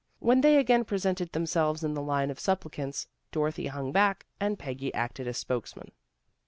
When they again presented themselves hi the line of supplicants, Dorothy hung back, and Peggy acted as spokesman.